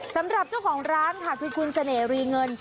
สำหรับเจ้าของร้านค่ะคือคุณเสน่หรีเงิน